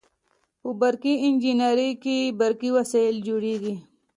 په برقي انجنیری کې برقي وسایل جوړیږي.